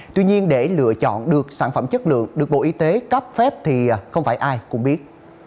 tuy nhiên để lựa chọn được sản phẩm chất lượng được bộ y tế cấp phép thì không phải ai cũng biết